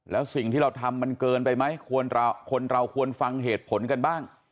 แล้วสิ่งที่เราทำมันเกินไปไหมคนเราควรฟังเหตุผลกันบ้าง